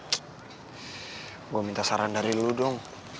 gue minta saran dari lu dong